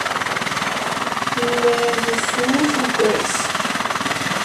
Le Bû-sur-Rouvres